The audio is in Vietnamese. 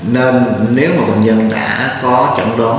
nên nếu mà bệnh nhân đã có chẩn đoán